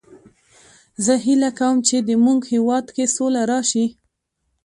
زه هیله کوم چې د مونږ هیواد کې سوله راشي